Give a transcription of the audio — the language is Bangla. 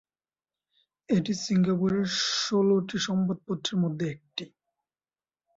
এটি সিঙ্গাপুরের ষোলটি সংবাদপত্রের মধ্যে একটি।